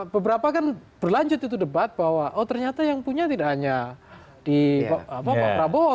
beberapa kan berlanjut itu debat bahwa oh ternyata yang punya tidak hanya di pak prabowo